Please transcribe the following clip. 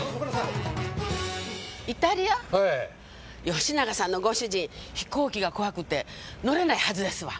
吉永さんのご主人飛行機が怖くて乗れないはずですわ。